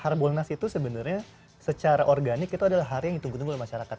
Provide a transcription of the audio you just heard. harbolnas itu sebenarnya secara organik itu adalah hari yang ditunggu tunggu oleh masyarakat